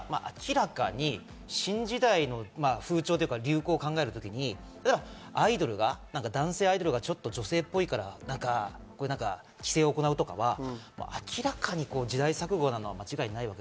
ただ、明らかに新時代の風潮というか、流行を考えるとき男性アイドルがちょっと女性っぽいから規制を行うとかいうのは明らかに時代錯誤なのは間違いない。